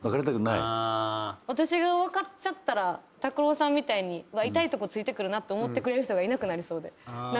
私が分かっちゃったら拓郎さんみたいに痛いとこ突いてくると思ってくれる人がいなくなりそうで。